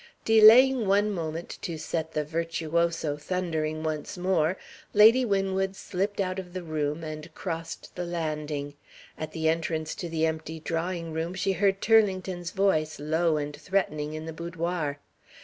Delaying one moment, to set the "virtuoso" thundering once more, Lady Winwood slipped out of the room and crossed the landing. At the entrance to the empty drawing room she heard Turlington's voice, low and threatening, in the boudoir.